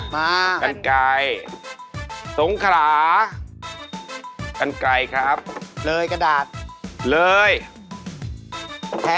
สุโคไทยครับสุโคไทยครับสุโคไทยครับ